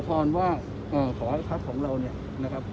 ผมก็ขอพรว่าหรือขอวังว่าครับของเรานี่นะครับ